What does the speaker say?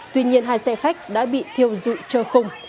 tuy nhiên hai xe khách đã bị thiêu dụi trơ khung